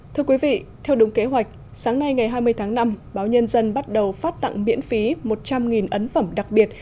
thưa quý vị theo đúng kế hoạch sáng nay ngày hai mươi tháng năm báo nhân dân bắt đầu phát tặng miễn phí một trăm linh ấn phẩm đặc biệt